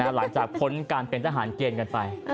หลังจากพ้นการเป็นทหารเกณฑ์กันไป